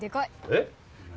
えっ？